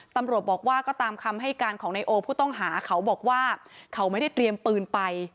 ตำรวจบอกว่าก็ตามคำให้การของนายโอผู้ต้องหาเขาบอกว่าเขาไม่ได้เตรียมปืนไป